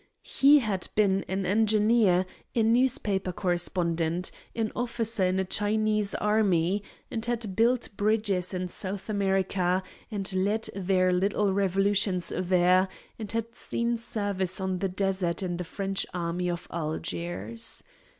He had been an engineer, a newspaper correspondent, an officer in a Chinese army, and had built bridges in South America, and led their little revolutions there, and had seen service on the desert in the French army of Algiers.